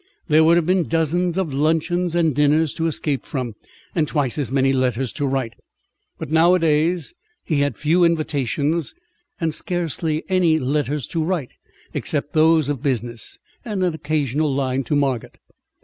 There would have been dozens of luncheons and dinners to escape from, and twice as many letters to write. But nowadays he had few invitations and scarcely any letters to write, except those of business, and an occasional line to Margot.